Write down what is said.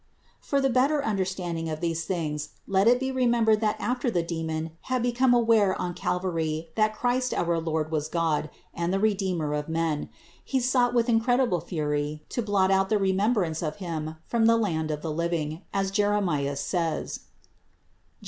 210. For the better understanding of these things let it be remembered that after the demon had become aware on Calvary that Christ our Lord was God and the Redeemer of men, he sought with incredible fury to blot out the remembrance of Him from the land of the living, as Jeremias says (Jer.